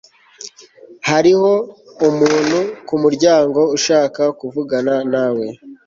hariho umuntu kumuryango ushaka kuvugana nawe